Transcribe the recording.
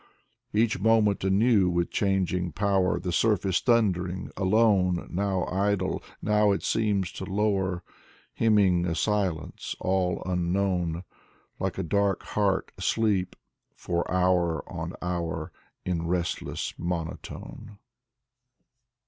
Each moment new, with changing power, The surf is thundering, alone. Now idle, now it seems to lower. Hymning a Silence all unknown. Like a dark heart asleep, — for hour On hour in restless monotone.